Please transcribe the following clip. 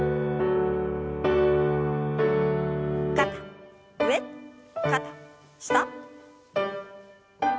肩上肩下。